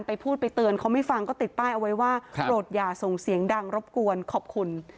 พูดไปเตือนเขาไม่ฟังก็ติดป้ายเอาไว้ว่าโปรดอย่าส่งเสียงดังรบกวนขอบคุณ